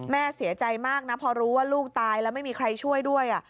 แม่เสียใจมากนะพอรู้ว่าลูกตายแล้วไม่มีใครช่วยด้วย